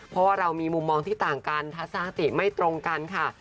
เพราะว่าเรามีมุมมองที่ต่างกันทัศนติไม่ตรงกันค่ะ